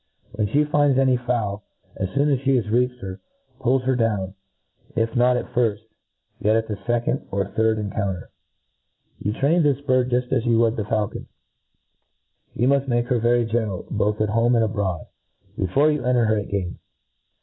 When ihc finds any fowl, and as foon as flie has reached her, puHs her 4own, if not at firft, yet at the fecond or third encounter* Ygu train this bird juft as you d6 t^ faul con. You muft Ynake her very gentle both at home and abroad, before you enter her at game.